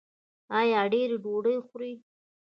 ایا ډیرې ډوډۍ خورئ؟